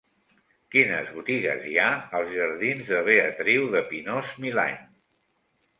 Quines botigues hi ha als jardins de Beatriu de Pinós-Milany?